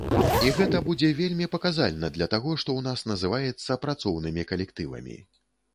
І гэта будзе вельмі паказальна для таго, што ў нас называецца працоўнымі калектывамі.